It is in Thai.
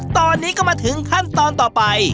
ตอนนี้ก็มาถึงขั้นตอนต่อไป